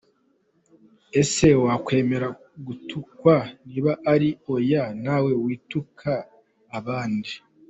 Ese wakwemera gutukwa? Niba ari oya, nawe wituka abandi.